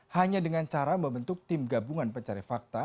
hanya dengan cara membentuk tim gabungan pencari fakta